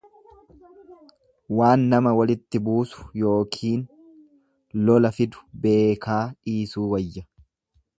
Waan nama walitti buusu yookiin lola fidu beekaa dhiisuu wayya.